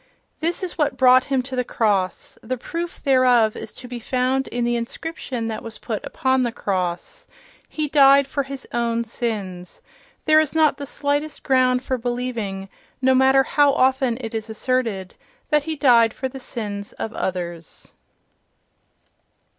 This is what brought him to the cross: the proof thereof is to be found in the inscription that was put upon the cross. He died for his own sins—there is not the slightest ground for believing, no matter how often it is asserted, that he died for the sins of others.